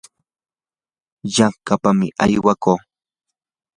yanqapaq aywaykuu.